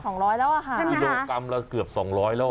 สองร้อยแล้วอ่ะค่ะใช่ไหมคะโดยกรรมละเกือบสองร้อยแล้วอ่ะ